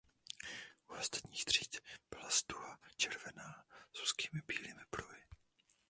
U ostatních tříd byla stuha červená s úzkými bílými pruhy.